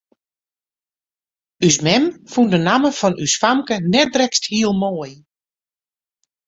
Us mem fûn de namme fan ús famke net drekst hiel moai.